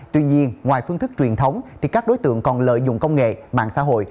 tuy nhiên ngoài phương thức truyền thống thì các đối tượng còn lợi dụng công nghệ mạng xã hội